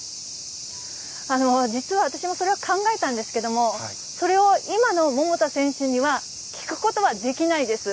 実は私もそれを考えたんですけれども、それを今の桃田選手には聞くことはできないです。